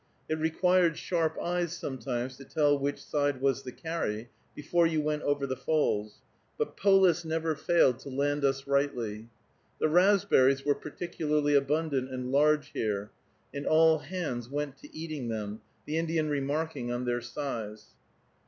It required sharp eyes sometimes to tell which side was the carry, before you went over the falls, but Polis never failed to land us rightly. The raspberries were particularly abundant and large here, and all hands went to eating them, the Indian remarking on their size.